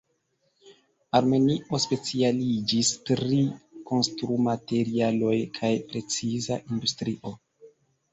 Armenio specialiĝis pri konstrumaterialoj kaj preciza industrio.